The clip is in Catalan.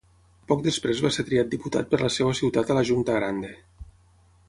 Poc després va ser triat diputat per la seva ciutat a la Junta Grande.